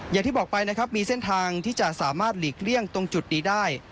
อย่างที่บอกไปนะครับมีเส้นทางที่จะสามารถหลีกเลี่ยงตรงจุดนี้ได้